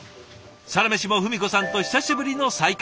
「サラメシ」も文子さんと久しぶりの再会。